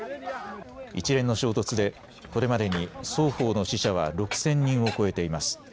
一連の衝突でこれまでに双方の死者は６０００人を超えています。